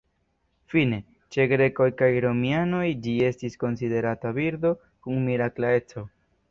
Fine, ĉe grekoj kaj romianoj ĝi estis konsiderata birdo kun mirakla eco.